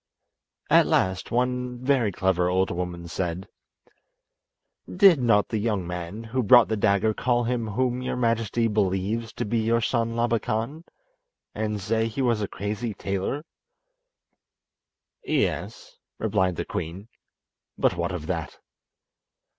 At last one very clever old woman said: "Did not the young man who brought the dagger call him whom your majesty believes to be your son Labakan, and say he was a crazy tailor?" "Yes," replied the queen; "but what of that?"